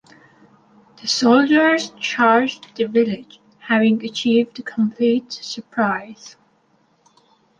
The soldiers charged the village, having achieved complete surprise.